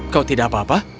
kau tidak apa apa